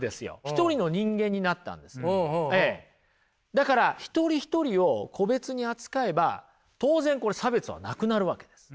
だから一人一人を個別に扱えば当然これ差別はなくなるわけです。